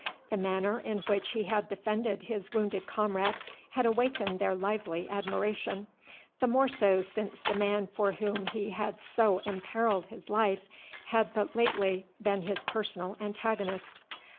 The manner in which he had defended his wounded comrade had awakened their lively admiration, the more so since the man for whom he had so imperilled his life had but lately been his personal antagonist.